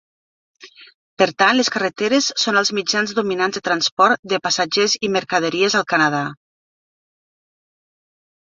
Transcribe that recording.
Per tant les carreteres són els mitjans dominants de transport de passatgers i mercaderies al Canadà.